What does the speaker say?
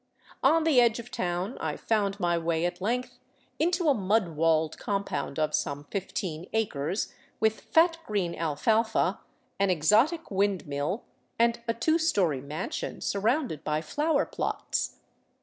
On the edge of town I found my way at length into a mud walled compound of some fifteen acres, with fat green alfalfa, an exotic windmill, and a two story mansion surrounded by flower plots.